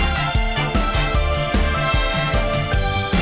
สวัสดีค่ะ